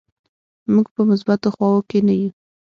موږ په مثبتو خواو کې نه یو.